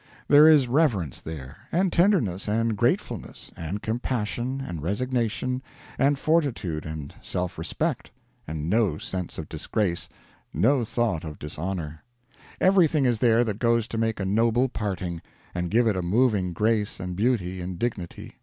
There is reverence there, and tenderness, and gratefulness, and compassion, and resignation, and fortitude, and self respect and no sense of disgrace, no thought of dishonor. Everything is there that goes to make a noble parting, and give it a moving grace and beauty and dignity.